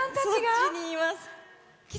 そっちにいます。